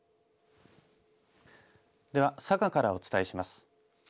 では、佐賀からお伝えします。